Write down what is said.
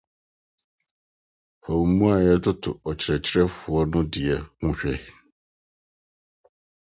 Fa wo mmuae toto ɔkyerɛkyerɛfo no de ho hwɛ.